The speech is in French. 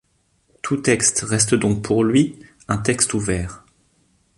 Tout texte reste donc pour lui un texte ouvert.